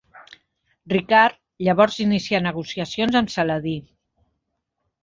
Ricard llavors inicià negociacions amb Saladí.